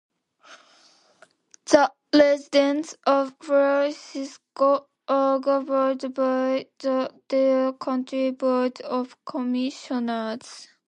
The residents of Frisco are governed by the Dare County Board of Commissioners.